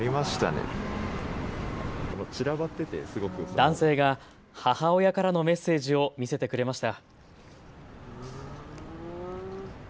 男性が母親からのメッセージを見せてくれました。